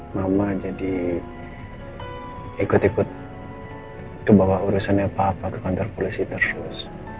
mama jadi ikut ikut kebawa urusannya bapak ke kantor polisi terus